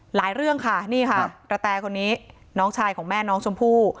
เรื่องค่ะนี่ค่ะกระแตคนนี้น้องชายของแม่น้องชมพู่